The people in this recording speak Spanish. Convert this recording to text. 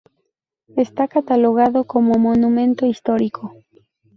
Está catalogado como Monumento Histórico.